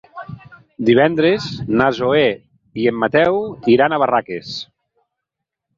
Divendres na Zoè i en Mateu iran a Barraques.